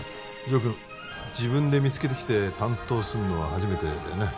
城君自分で見つけてきて担当するのは初めてだよね？